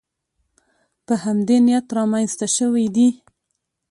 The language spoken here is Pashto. په همدې نیت رامنځته شوې دي